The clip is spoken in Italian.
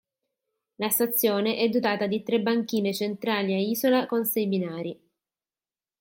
La stazione è dotata di tre banchine centrali a isola con sei binari.